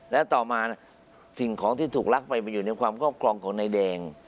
และต่อมาสิ่งของที่ถูกรักไปมันอยู่ในความครอบครองของนายแดง